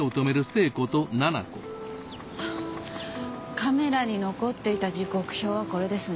カメラに残っていた時刻表はこれですね。